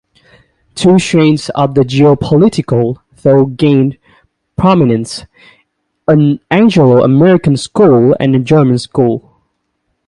Two strains of geopolitical thought gained prominence: an Anglo-American school, and a German school.